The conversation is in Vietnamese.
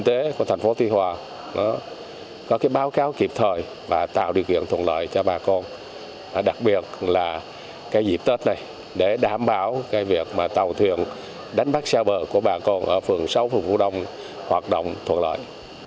thành phố tuy hòa có báo cáo kịp thời và tạo điều kiện thuận lợi cho bà con đặc biệt là dịp tết này để đảm bảo tàu thuyền đánh bắt xa bờ của bà con ở phường sáu phường vũ đông hoạt động thuận lợi